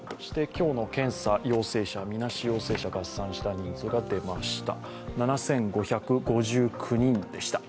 今日の検査陽性者、みなし陽性者合算した人数が出ました。